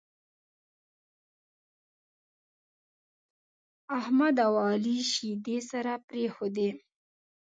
احمد او عالي شيدې سره پرېښودې.